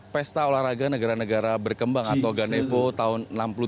pesta olahraga negara negara berkembang atau ganevo tahun seribu sembilan ratus enam puluh dua